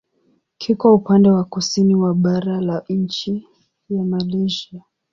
Kiko upande wa kusini wa bara la nchi ya Malaysia.